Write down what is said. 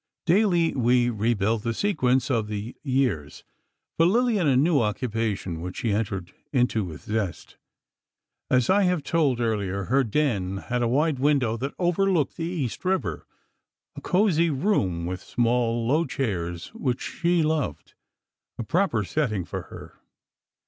Daily we rebuilt the sequence of the years—for Lillian a new occupation which she entered into with zest. As I have told earlier her "den" had a wide window that overlooked the East River—a cozy room, with small low chairs which she loved—a proper setting for her.